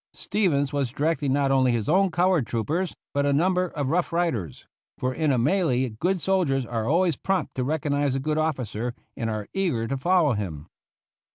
Stevens was directing not only his own colored troopers, but a num.ber of Rough Riders ; for in a melee good soldiers are always prompt to recognize a good officer, and are eager to follow him.